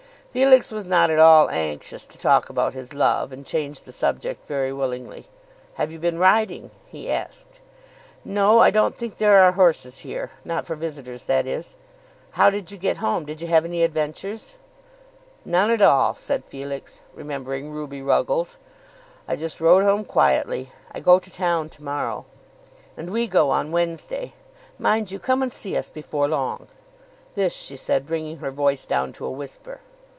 Felix was not at all anxious to talk about his love, and changed the subject very willingly. "Have you been riding?" he asked. "No; I don't think there are horses here, not for visitors, that is. How did you get home? Did you have any adventures?" "None at all," said Felix, remembering Ruby Ruggles. "I just rode home quietly. I go to town to morrow." "And we go on Wednesday. Mind you come and see us before long." This she said bringing her voice down to a whisper.